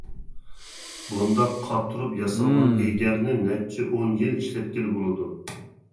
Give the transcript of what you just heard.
بۇنداق قاتۇرۇپ ياسالغان ئېگەرنى نەچچە ئون يىل ئىشلەتكىلى بولىدۇ.